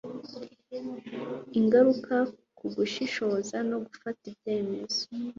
ingaruka ku gushishoza no gufata ibyemezo